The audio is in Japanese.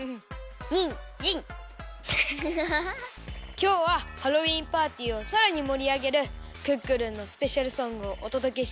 きょうはハロウィーンパーティーをさらにもりあげるクックルンのスペシャルソングをおとどけしちゃいナス！